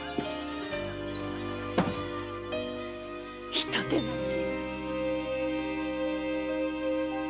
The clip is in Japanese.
人でなし！